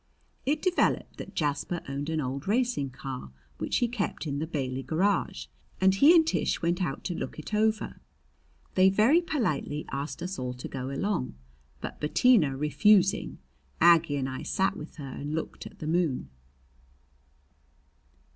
It developed that Jasper owned an old racing car which he kept in the Bailey garage, and he and Tish went out to look it over. They very politely asked us all to go along, but Bettina refusing, Aggie and I sat with her and looked at the moon.